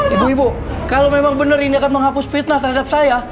ibu ibu kalau memang benar ini akan menghapus fitnah terhadap saya